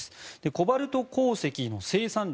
コバルト鉱石の生産量